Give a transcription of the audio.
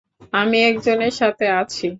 আমি একজনের সাথে আছি।